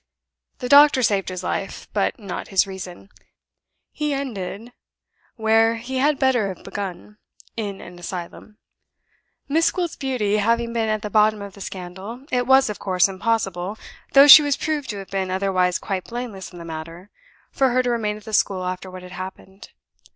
The doctor saved his life, but not his reason; he ended, where he had better have begun, in an asylum. Miss Gwilt's beauty having been at the bottom of the scandal, it was, of course, impossible though she was proved to have been otherwise quite blameless in the matter for her to remain at the school after what had happened.